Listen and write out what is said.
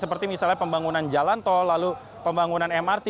seperti misalnya pembangunan jalan tol lalu pembangunan mrt